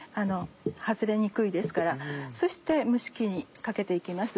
外れにくいですからそして蒸し器にかけて行きます。